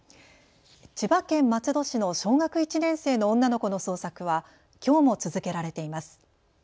千葉県松戸市の小学１年生の女の子の捜索はきょうも続けられています。